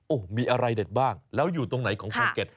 โอ้โหมีอะไรเด็ดบ้างแล้วอยู่ตรงไหนของภูเก็ต